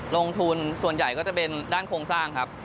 ลงทุนส่วนใหญ่ก็จะเป็นด้านโครงสร้างครับ